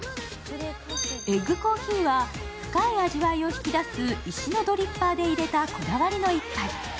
エッグコーヒーは深い味わいを引き出す、石のドリッパーで入れたこだわりの一杯。